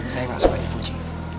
saya langsung aja puji